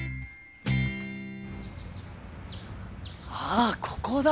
あっここだ！